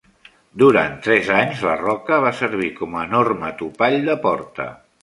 Durant tres anys, la roca va servir com a enorme topall de porta.